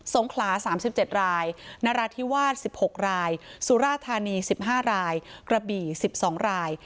งขลา๓๗รายนราธิวาส๑๖รายสุราธานี๑๕รายกระบี่๑๒ราย